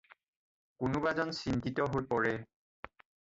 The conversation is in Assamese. কোনোবাজন চিন্তিত হৈ পৰে।